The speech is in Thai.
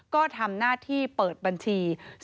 ก็ทำหน้าที่เปิดบัญชี